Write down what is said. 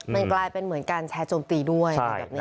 มันกลายเป็นเหมือนการแชร์โจมตีด้วย